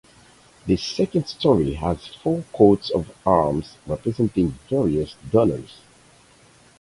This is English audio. The second story has four coats of arms representing various donors.